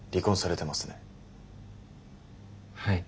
はい。